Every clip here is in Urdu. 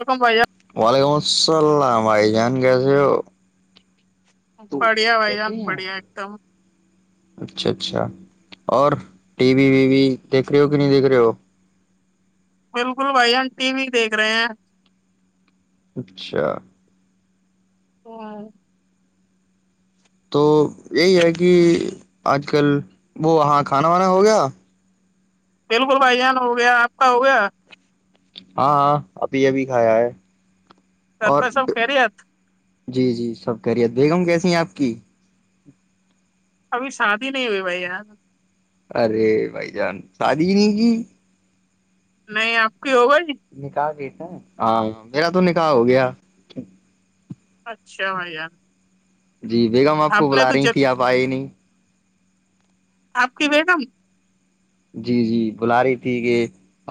ککم بائی جا وعلیکم السلام آائی جان گسے بڑھیا بھائی جان بڑھیا ایک دم اچھا اچھا اور ٹی وی وی وی دیکھ رہے ہو کہ نہیں دیکھ رہے ہو بالکل بھائی ہم ٹی وی دیکھ رہے ہیں اچھا ہاں تو یہی ہے کہ آج کل وہ وہاں کھانا وانا ہو گیا بالکل بھائی جان ہو گیا آپ کا ہو گیا ہاں ہاں ابھی ابھی کھایا ہے گھر اور پہ سب خیریت جی جی سب کریے بیگم کیسے آپ کی [inaudible] ابھی شادی نہیں ہوئی بھائی یار ارے بھائی جان شادی نہیں کی نہیں آپ کی ہو گئی نک آ [inaudible] ہاں میرا تو نکاح ہو گیا اچھااں یار جی بیگم آپ کو بلا رہی تھی آپ آئے ہی نہیں آپ کی بیڈم جی جی بلا رہی تھی کہ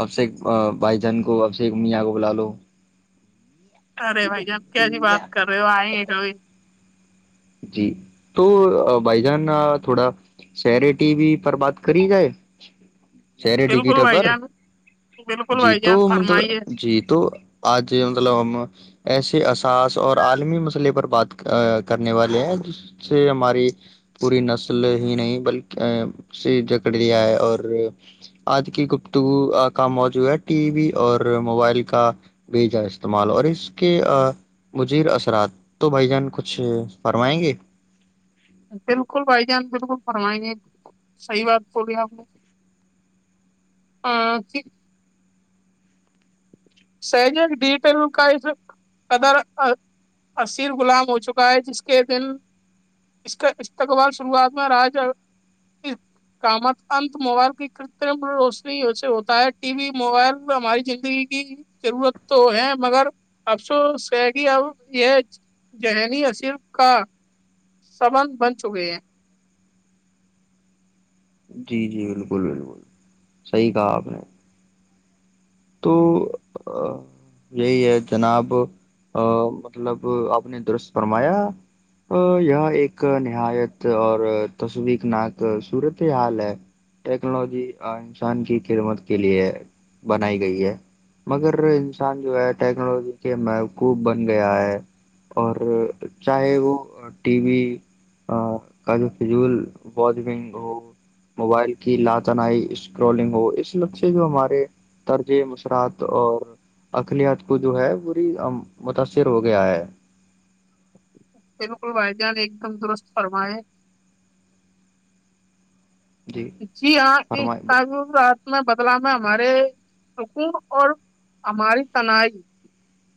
ابشیک بھائی جان کو ابشیک میاں کو بلا لو ارے بھائی آب کیاسی بات کر رہے ہو آئےیں گ کئی جی تو بھائی جان تھوڑا سیر ٹی وی پر بات کری جائے شرے بالکل ڈیجیٹل بھائی پر جان بالکل جی بھائی تو جان فرمائیے مطلب جی تو آج مطلب ہم ایسے اثاس اور عالمی مسئلے پر بات کرنے والے ہیں جس سے ہماری پوری نسل ہی نہیں بلکہ جکڑ لیا ہے اور آج کی گفتگو کا موجوع ہے ٹی وی اور موبائل کا بھیجا استعمال اور اس کے مجیر اثرات تو بھائی جان کچھ اچھے فرمائیں گے فرمائ گے صحیح بات بلی آپ نےھیک سج ڈیجیٹل کا قدر ایر غلام ہو چکا ہے جس کے د استقبال شروعات میں رج کامت انت موبائل کی کرتم روشنی سے ہوتا ہے ٹی وی موبائل ہماری زندگی کی ضرورت تو ہے مگر افسوس ہے کہ اب یہ ذہنی اصر کا سبند بن چکے ہیں جی جی بالکل بالکل صحیح کہا آپ نے تو یہی ہے جناب مطلب آپ نے درست فرمایا یہ ایک نہایت اور تصویقناک صورت فی حال ہے ٹیکنالوجی انسان کی خدمت کے لیے بنائی گئی ہے مگر انسان جو ہے ٹیکنالوجی کے مقوب بن گیا ہے اور چاہے وہ ٹی وی کا جو فول ونگ ہو موبائل کی لااتنائی اسکرولنگ ہو اس لف سے جو ہمارے طرج مشرات اور اقلت کو جو ہے پوری متاثر ہو گیا ہے بالکل بھائی جان ایک دم درست فرمئے جی ہاں ایک فرمائیں کام رہ اس میں بدلا میں ہمارے سکون اور ہماری تنائی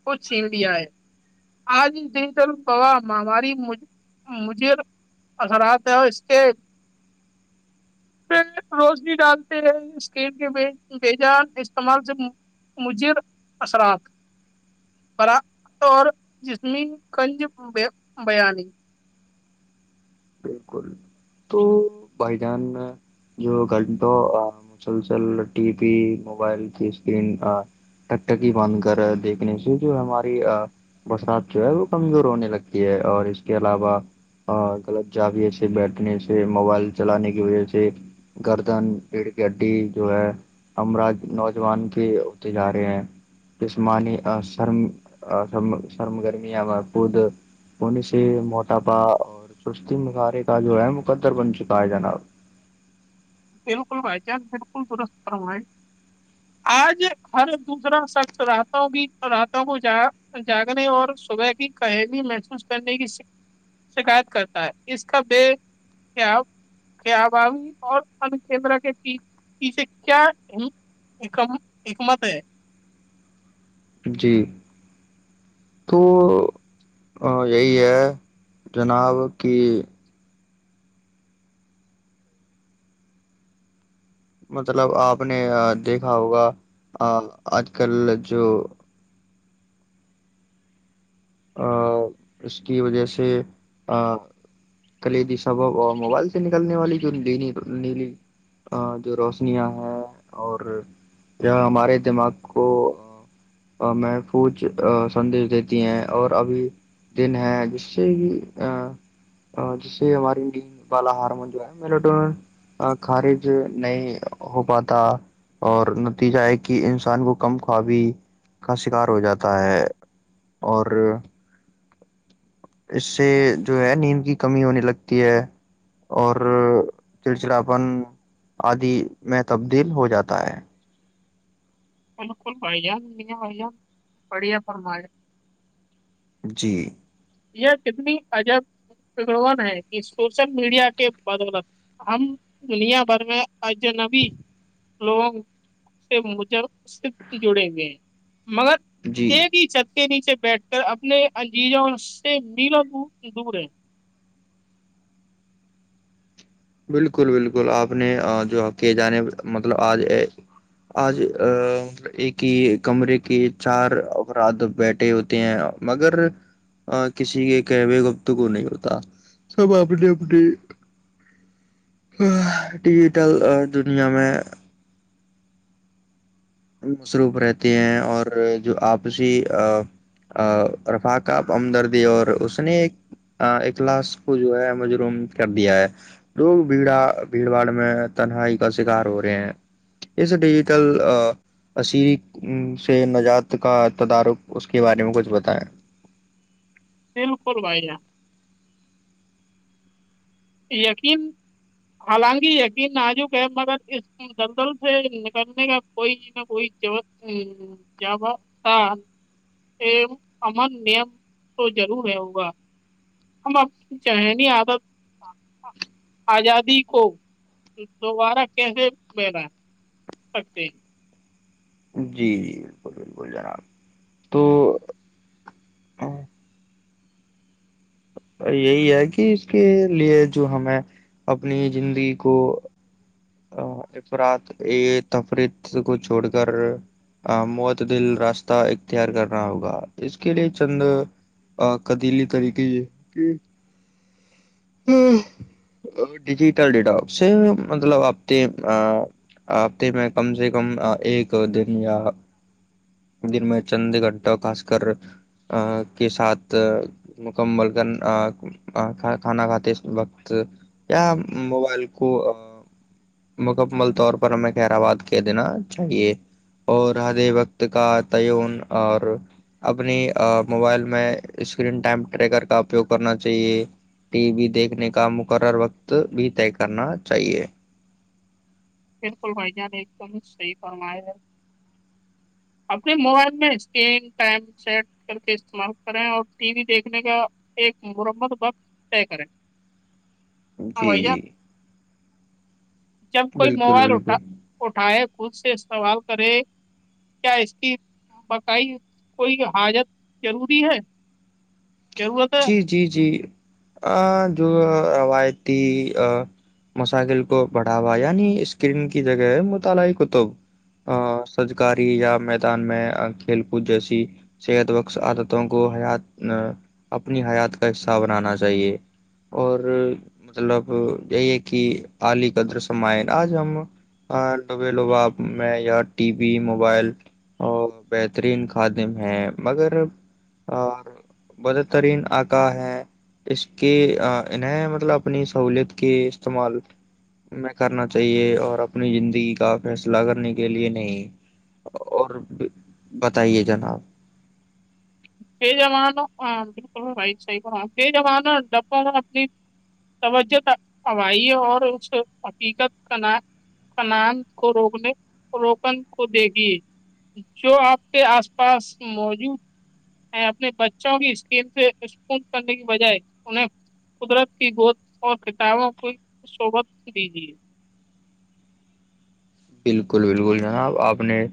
کو چھین لیا ہے آج ڈجیٹل گاہ ہماری مھے اثرات ہے اور اس کے پ روشنی ڈالتے ہیں اسکن کے بیجان استعمال سے مجر اثرات بر اور جسمی کنج بیانی بالکل تو بھائی جان جو گھنٹوں مسلسل ٹی وی موبائل کی اسکرین ٹکٹکی بند کر دیکھنے سے جو ہماری برسات جو ہے وہ کمزور ہونے لگتی ہے اور اس کے علاوہ غلط جاویے سے بیٹھنے سے موبائل چلانے کی وجہ سے گردن پڑ کی اڈی جو ہے ارا نوجوان کے ہوتے جا رہے ہیں جسمانی سرم سرم گرمیاں م خود ہونے سے موٹاپا اور مخارے کا جو ہے مقدر بن چکا ہے جناب بالکل بھائی چانس بالکل درست فوائے آج ہر دوسرا شخص راتوں کی راتوں کو جا جاگنے اور صبح کی قہمی محسوس کرنے کی شکایت کرتا ہے اس کا بےیابوی اور کیندر کے پیے کیام ایک مت ہے جی تو یہی ہے جناب کہ مطلب آپ نے دیکھا ہوگا آج کل جو اس کی وجہ سے کلیدی سبب اور موبائل سے نکلنے والی جو ن نیلی جو روشنیاں ہیں اور یہ ہمارے دماغ کو محفوظ سندیش دیتی ہیں اور ابھی دن ہے جس سے کہ جس سے ہماری والا ہارمون جو ہے خارج نہیں ہو پاتا اور نتیجہ ہے کہ انسان کو کم خوابی کا شکار ہو جاتا ہے اور پرھر اس سے جو ہے نیند کی کمی ہونے لگتی ہے اور چڑچڑاپن آدی میں تبدیل ہو جاتا ہے بالکل بھ جان نہیں ہے بھائی جان بڑھیا فرمائے جی یہ کتنی عجب بگڑ ہے کہ سوشل میڈیا کے بدولت ہم دنیا بھر میں اجنبی لوگوں سے مج جڑیں ہوئے مگر جی ایک ہی چت کے نیچے بیٹھ کر اپنے انجیزوں میلا دور ہے بالکل بالکل آپ نے جو کہ جانے مطلب آج آج ایک ہی کمرے کے چار افراد بیٹھے ہوتے ہیں مگر کسی کے کہوے گفتگو نہیں ہوتا سب آپ نے اپنے ڈیجیٹل دنیا میں مصروف رہتے ہیں اور جو آپسی رفاق آ ہمدردی اور اس نے ایک اخلاس کو جو ہے مجروم کر دیا ہے لوگ بھیڑا بھیڑ باڑ میں تنہائی کا شکار ہو رہے ہیں اس ڈیجیٹل اسری سے نجات کا تدارک اس کے بارے میں کچھ بتائیں تل کوول بیا یقین حالانکہ یقین نازک ہے مگر اس دلدل سے نکلنے کا کوئی نہ کوئیاب امن نیم تو ضرور ہے ہوگا ہم اپنی ذہنی عادت آزادی کو دوبارہ کیسے ملا ہے سکتے جی جی بالکل بالکل جناب تو یہی ہے کہ اس کے لیے جو ہمیں اپنی زندگی کو افرات تفریت کو چھوڑ کر معتدل راستہ اختیار کرنا ہوگا اس کے لیے چند قدیلی طریقے یہ ہے کہ ڈیجیٹل ڈیٹا سے مطلب آپ ہتے ہفتے میں کم سے کم ایک دن یا دن میں چند گھٹا خاصکر کے ساتھ مکمل کرنا کھانا کھاتے وقت یا موبائل کو مکمل طور پر ہمیں کہر آباد کہ دینا چاہیے اور ہدے وقت کا تعون اور اپنی موبائل میں اسکرین ٹائم ٹریکر کا اپیوگ کرنا چاہیے ٹی وی دیکھنے کا مقرر وقت بھی طے کرنا چاہیے بالکل بھائییاان نے ایک دم صحیح فرمایا ہے اپنے موبائل میں اسکرین ٹائم سیٹ کر کے استعمال کریں اور ٹی وی دیکھنے کا ایک مرمت وقت طے کریں جی ہاں بھائی جان جی جب کوئی بالکل موبائل اٹھا بالکل اٹھائے کل سے استوال کرے کیا اس کی بقع کوئی حاجت ضروری ہے ضرورت ہے جی جی جی ا جو روایتی مسائل کو بڑھاوا یعنی اسکرین کی جگہ ہے مطالعی کتب سجکاری یا میدان میں کھیل کود جیسی صحت بخش عادتوں کو حیات اپنی حیات کا حصہ بنانا چاہیے اور مطلب یہی کہ علی قدر سمائن آج ہم لبے لبا میں یا ٹی وی موبائل اور بہترین خادم ہیں مگر مد ترین آکا ہے اس کے انہیں مطلب اپنی سہولیت کے استعمال میں کرنا چاہیے اور اپنی زندگی کا فیصلہ کرنے کے لیے نہیں اور بتائیے جناب بےانوں ہ بالکل بھ صحیح بےجانوں ڈبوں میں اپنی توجہ اائی اور اس حقیقت کنان کو روکنے روکن کو دیک گی جو آپ کے آس پاس موجود اپنے بچوں کی اسکین سے اسپونٹ کرنے کی بجائے انہیں قدرت کی گود اور کتابوں کی سبت دیجے بالکل بالکل جناب آپ نے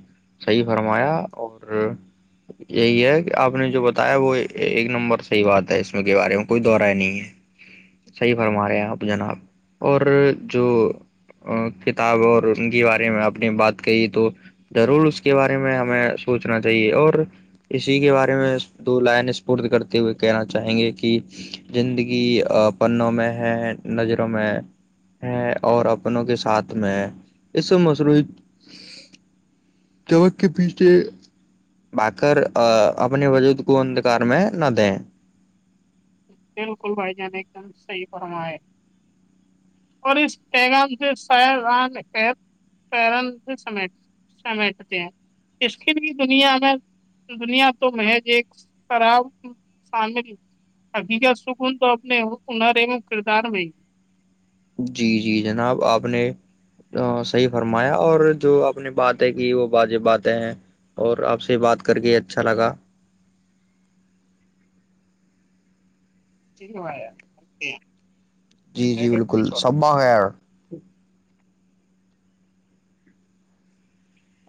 صحی فرمایا اور یہی ہے کہ آپ نے جو بتایا وہ ایک نمبر صحیح بات ہے اس کے بارے میں کوئی دہرائے نہیں ہے صحیح فرما رہے ہیں آپ جناب اور جو کتاب اور کے بارے میں اپنی بات کہی تو ضرور اس کے بارے میں ہمیں سوچنا چاہیے اور اسی کے بارے میں دو لائن اسپورد کرتے ہوئے کہنا چاہیں گے کہ زندگی پنوں میں ہے نظروں میں ہے اور اپنوں کے ساتھ میں اس سے مصروعی چک کے پیچھے بر اپنے وجود کو اندکار میں نہ دیں بالکل بھائی جان ایک دم صحیح فرم ہے اور اس پیغام سے س سمی سمیٹتے ہیں اس کے بھی دنیا میں دنیا تو محج ایک خراب شامل ابھی کا سکون تو اپنے ہنر اوم کردار میں جی جی جناب آپ نے صحیح فرمایا اور جو آپ نے بات ہے کہ وہ واجباتیں ہیں اور آپ سے بات کر کے اچھا لگا ٹھیک ہے ب جی جی بالکل سبا ہے یار